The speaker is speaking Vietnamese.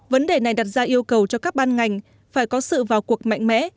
vấn đề này đặt ra yêu cầu cho các ban ngành phải có sự vào cuộc mạnh mẽ